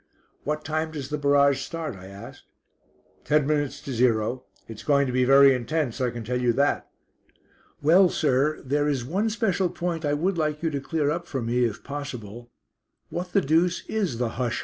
"What time does the barrage start?" I asked. "Ten minutes to zero. It's going to be very intense, I can tell you that." "Well, sir, there is one special point I would like you to clear up for me if possible. What the deuce is the 'Hush!